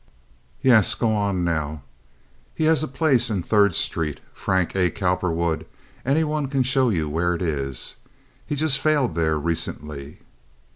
"Yes; now go on." "He has a place in Third Street—Frank A. Cowperwood—any one can show you where it is. He's just failed there recently."